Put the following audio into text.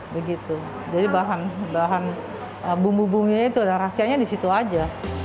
begitu jadi bahan bahan bumbu bumbunya itu ada rahasianya di situ aja